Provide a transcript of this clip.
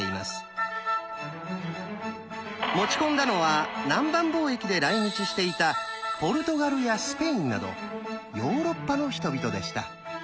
持ち込んだのは南蛮貿易で来日していたポルトガルやスペインなどヨーロッパの人々でした。